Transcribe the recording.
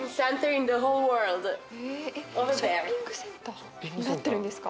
ショッピングセンターになってるんですか？